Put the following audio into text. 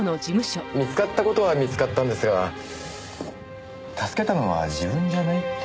見つかった事は見つかったんですが助けたのは自分じゃないって言うんです。